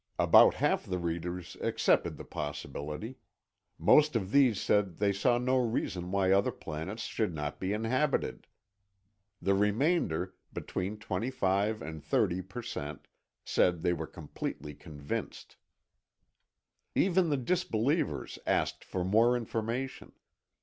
About half the readers accepted the possibility; most of these said they saw no reason why other planets should not be inhabited. The remainder, between 25 and 30 per cent, said they were completely convinced. Even the disbelievers asked for more information.